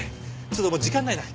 ちょっともう時間ないな。